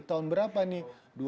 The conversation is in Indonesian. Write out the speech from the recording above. tahun berapa nih